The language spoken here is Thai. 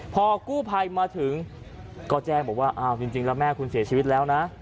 พอกู้ภัยมาถึงก็แจ้งบอกว่าอ้าวจริงแล้วแม่คุณเสียชีวิตแล้วนะ